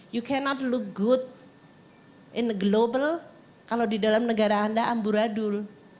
you cannot lo good in a global kalau di dalam negara anda amburadul